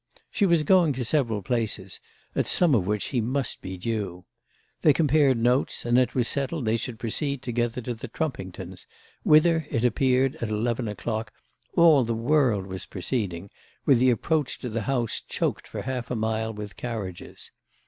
She was going to several places, at some of which he must be due. They compared notes, and it was settled they should proceed together to the Trumpingtons', whither, it appeared at eleven o'clock, all the world was proceeding, with the approach to the house choked for half a mile with carriages.